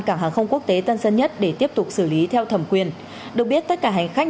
cảng hàng không quốc tế tân sơn nhất để tiếp tục xử lý theo thẩm quyền được biết tất cả hành khách